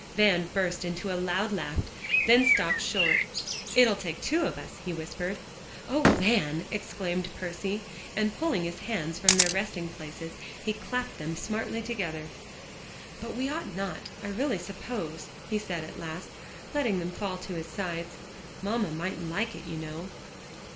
Van burst into a loud laugh, then stopped short. "It'll take two of us," he whispered. "Oh, Van!" exclaimed Percy, and pulling his hands from their resting places, he clapped them smartly together. "But we ought not, I really suppose," he said at last, letting them fall to his sides. "Mamma mightn't like it, you know."